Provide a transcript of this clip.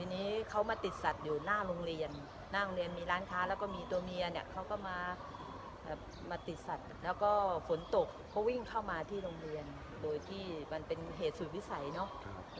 ทีนี้เขามาติดสัตว์อยู่หน้าโรงเรียนหน้าโรงเรียนมีร้านค้าแล้วก็มีตัวเมียเนี่ยเขาก็มาติดสัตว์แล้วก็ฝนตกเขาวิ่งเข้ามาที่โรงเรียนโดยที่มันเป็นเหตุสูตรวิสัยเนอะ